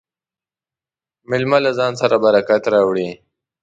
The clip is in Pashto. مېلمه له ځان سره برکت راوړي.